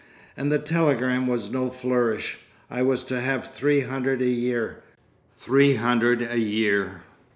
And the telegram was no flourish; I was to have three hundred a year. Three hundred a year.